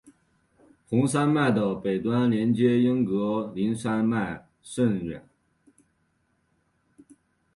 红山脉的北端连接英格林山脉甚远。